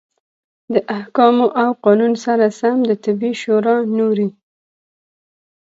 د احکامو او قانون سره سم د طبي شورا نورې